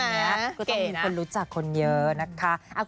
ก็ต้องมีคนรู้จักคนเยอะนะคะ